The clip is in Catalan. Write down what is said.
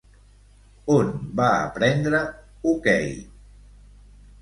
On va aprendre hoquei?